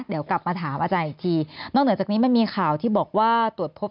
เดี๋ยวกลับมาถามอาจารย์อีกทีนอกเหนือจากนี้มันมีข่าวที่บอกว่าตรวจพบ